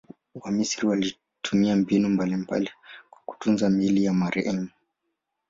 Wamisri walitumia mbinu mbalimbali kwa kutunza miili ya marehemu.